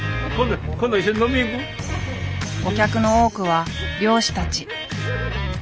お客の多くは漁師たち。